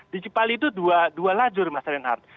di cipali itu dua lajur mas reinhardt